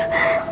allah ya allah